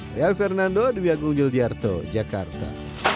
saya fernando di biagung yuldiarto jakarta